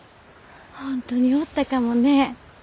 本当におったかもね。